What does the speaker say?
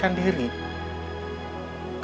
ada apa rick